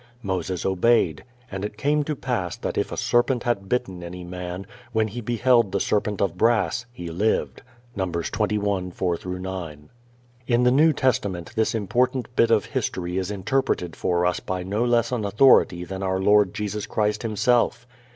Moses obeyed, "and it came to pass, that if a serpent had bitten any man, when he beheld the serpent of brass, he lived" (Num. 21:4 9). In the New Testament this important bit of history is interpreted for us by no less an authority than our Lord Jesus Christ Himself.